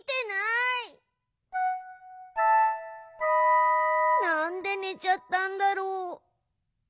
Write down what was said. なんでねちゃったんだろう？